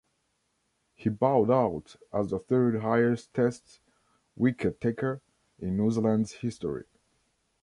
He bowed out as the third highest Test wicket-taker in New Zealand's history.